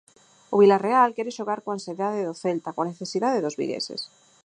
O Vilarreal quere xogar coa ansiedade do Celta, coa necesidade dos vigueses.